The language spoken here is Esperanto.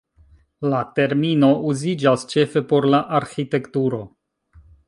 La termino uziĝas ĉefe por la arĥitekturo.